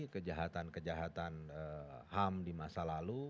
kejahatan kejahatan ham di masa lalu